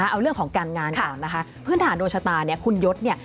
เอาเรื่องของการงานก่อนนะคะพื้นฐานโดยชะตาเนี่ยคุณยศเนี่ย